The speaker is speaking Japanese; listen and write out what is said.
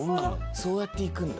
そうやって行くんだ。